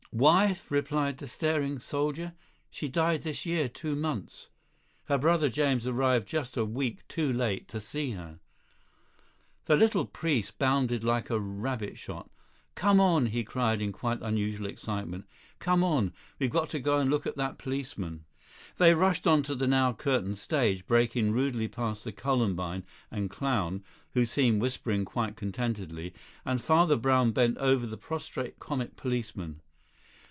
"Wife!" replied the staring soldier, "she died this year two months. Her brother James arrived just a week too late to see her." The little priest bounded like a rabbit shot. "Come on!" he cried in quite unusual excitement. "Come on! We've got to go and look at that policeman!" They rushed on to the now curtained stage, breaking rudely past the columbine and clown (who seemed whispering quite contentedly), and Father Brown bent over the prostrate comic policeman.